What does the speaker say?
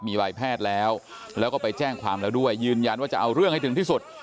มีใบแพทย์แล้วแล้วก็ไปแจ้งความแล้วด้วยยืนยันว่าจะเอาเรื่องให้ถึงที่สุด